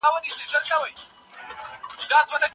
هر غمجن چي يوسف سورت ووايي، حتماً به ډاډ حاصل کړي.